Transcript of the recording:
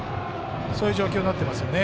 そういう状況になってますね。